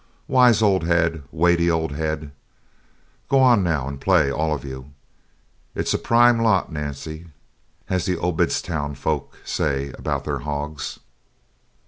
Wise old head! weighty old head! Go on, now, and play all of you. It's a prime lot, Nancy; as the Obedstown folk say about their hogs."